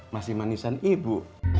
masih manisan ibu